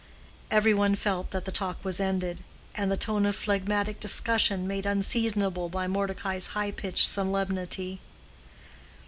Every one felt that the talk was ended, and the tone of phlegmatic discussion made unseasonable by Mordecai's high pitched solemnity.